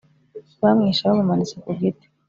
bamwishe bamumanitse ku giti